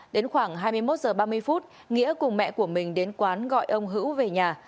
đến khoảng hai mươi một h ba mươi nghĩa cùng mẹ của mình đến quán gọi ông hữu về nhà